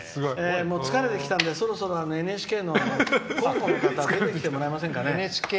疲れてきたのでそろそろＮＨＫの広報の方出てきてくれませんかね。